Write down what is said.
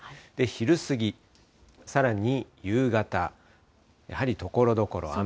昼過ぎ、さらに夕方、やはりところどころ雨。